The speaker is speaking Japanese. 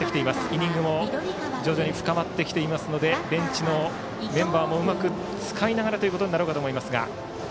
イニングも徐々に深まってきていますのでベンチのメンバーもうまく使いながらということになろうかと思いますが。